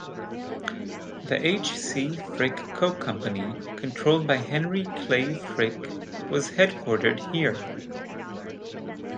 The H. C. Frick Coke Company, controlled by Henry Clay Frick, was headquartered here.